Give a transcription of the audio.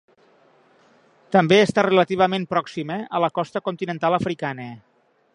També està relativament pròxima a la costa continental africana.